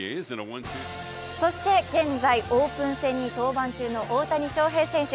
そして現在、オープン戦に登板中の大谷翔平選手。